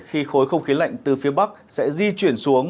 khi khối không khí lạnh từ phía bắc sẽ di chuyển xuống